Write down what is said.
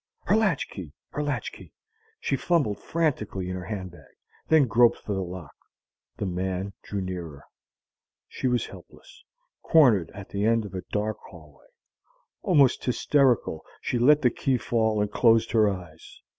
Her latch key! Her latch key! She fumbled frantically in her handbag; then groped for the lock. The man drew nearer. She was helpless, cornered at the end of a dark hallway. Almost hysterical she let the key fall and closed her eyes.